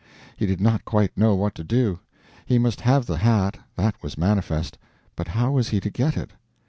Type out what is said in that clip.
He did not quite know what to do. He must have the hat, that was manifest; but how was he to get it?